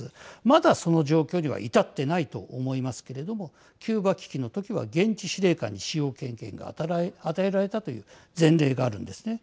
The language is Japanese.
まだその状況には至っていないと思いますけれどもキューバ危機の時は現地司令官に使用権限が与えられたという前例があるんですね。